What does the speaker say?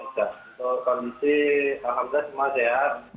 untuk kondisi anak anak semua sehat